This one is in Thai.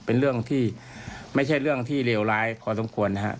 เป็นเรื่องที่ไม่ใช่เรื่องที่เลวร้ายพอสมควรนะครับ